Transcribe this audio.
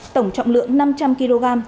tổng trọng lượng năm trăm linh kg